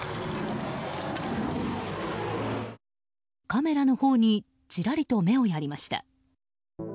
カメラのほうにチラリと目をやりました。